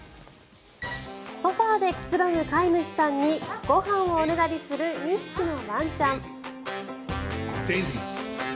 ソファでくつろぐ飼い主さんにご飯をおねだりする２匹のワンちゃん。